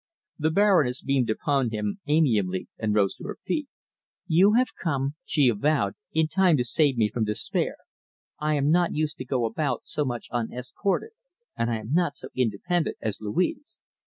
The Baroness beamed upon him amiably, and rose to her feet. "You have come," she avowed, "in time to save me from despair. I am not used to go about so much unescorted, and I am not so independent as Louise.